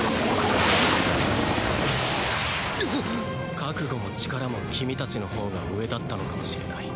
覚悟も力も君たちのほうが上だったのかもしれない。